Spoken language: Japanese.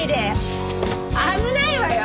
危ないわよ！